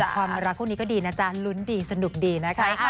ความรักคู่นี้ก็ดีนะจ๊ะลุ้นดีสนุกดีนะคะ